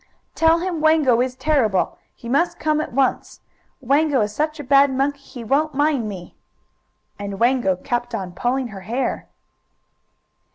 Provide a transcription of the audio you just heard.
"Tell him Wango is terrible! He must come at once. Wango is such a bad monkey he won't mind me!" And Wango kept on pulling her hair!